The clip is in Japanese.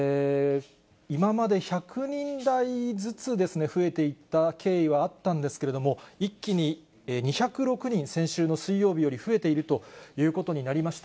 今まで１００人台ずつですね、増えていった経緯はあったんですけれども、一気に２０６人、先週の水曜日より増えているということになりました。